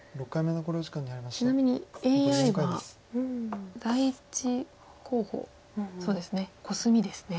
ちなみにＡＩは第１候補コスミですね。